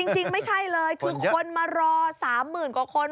จริงไม่ใช่เลยคือคนมารอ๓๐๐๐กว่าคน